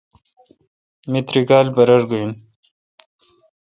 می تری کالہ برر گھن۔